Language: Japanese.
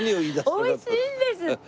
おいしいんですって！